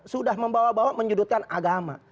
sudah membawa bawa menjudutkan agama